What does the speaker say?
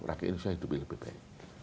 rakyat indonesia hidup yang lebih baik